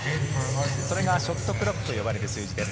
これがショットクロックと呼ばれる数字です。